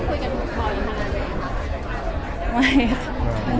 ไม่ค่ะ